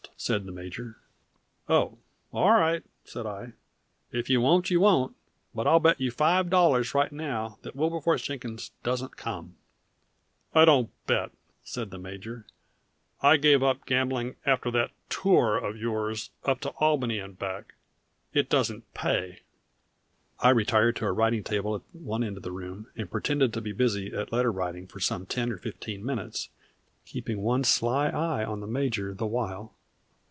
said the major. "Oh, all right," said I. "If you won't, you won't; but I'll bet you five dollars right now that Wilberforce Jenkins doesn't come!" "I don't bet," said the major. "I gave up gambling after that tour of yours up to Albany and back. It doesn't pay." I retired to a writing table at one end of the room, and pretended to be busy at letter writing for some ten or fifteen minutes, keeping one sly eye on the major the while.